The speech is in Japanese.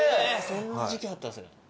そんな時期あったんですね。